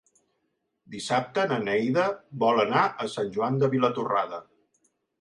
Dissabte na Neida vol anar a Sant Joan de Vilatorrada.